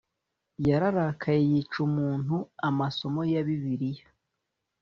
yararakaye yica umuntu amasomo ya bibiliya